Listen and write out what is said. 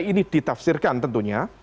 ini ditafsirkan tentunya